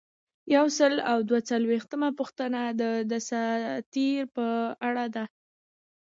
یو سل او دوه څلویښتمه پوښتنه د دساتیر په اړه ده.